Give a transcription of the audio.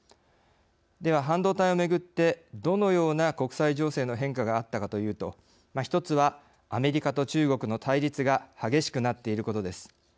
では、半導体をめぐってどのような国際情勢の変化があったかというと一つは、アメリカと中国の対立が激しくなっていることです。